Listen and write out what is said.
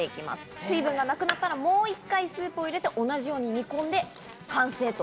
水分がなくなったら、もう一回スープを入れて同じように煮込んで完成。